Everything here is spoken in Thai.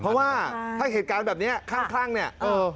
เพราะว่าถ้าเหตุการณ์แบบนี้คร่างนี่